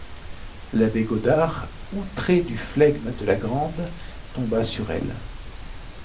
L’abbé Godard, outré du flegme de la Grande, tomba sur elle.